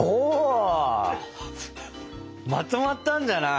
まとまったんじゃない？